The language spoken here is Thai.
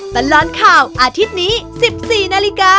ปันร้อนข่าวอาทิตย์นี้๑๔น